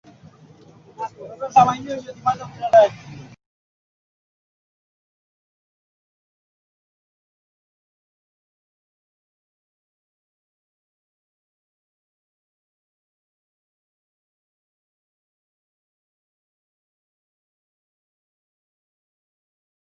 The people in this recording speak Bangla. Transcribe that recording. মুহাজির তো দূরত্ব অতিক্রমে ঘোড়ার ন্যায়।